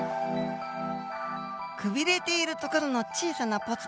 くびれているところの小さなポツポツ